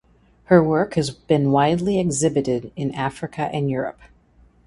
Her work has been widely exhibited in Africa and Europe.